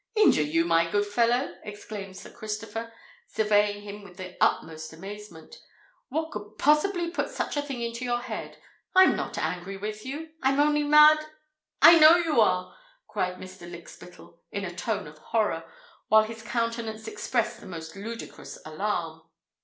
"Injure you, my good fellow!" exclaimed Sir Christopher, surveying him with the utmost amazement. "What could possibly put such a thing into your head? I am not angry with you: I'm only mad——" "I know you are!" cried Mr. Lykspittal in a tone of horror, while his countenance expressed the most ludicrous alarm.